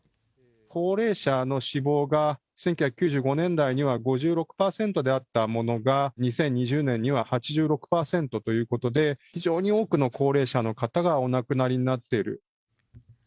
高齢者の死亡が１９９５年代には５６％であったものが、２０２０年には８６％ということで、非常に多くの高齢者の方がお亡くなりになっている。